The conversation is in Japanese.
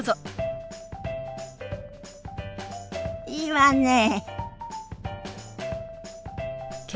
いいわね。